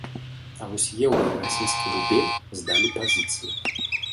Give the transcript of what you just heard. А вось еўра і расійскі рубель здалі пазіцыі.